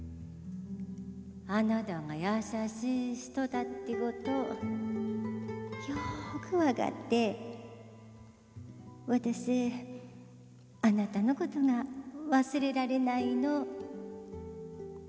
あなたが優しい人だってことようく分かってワダスあなたのことが忘れられないの。